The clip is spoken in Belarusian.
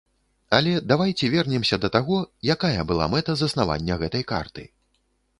Але давайце вернемся да таго, якая была мэта заснавання гэтай карты.